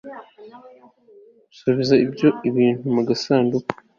subiza ibyo bintu mu gasanduku